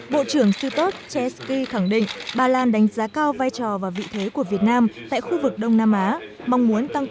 bộ trưởng sư tốt chesky khẳng định ba lan đánh giá cao vai trò và vị thế của việt nam tại khu vực đông nam á